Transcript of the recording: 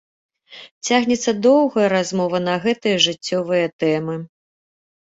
Цягнецца доўгая размова на гэтыя жыццёвы тэмы.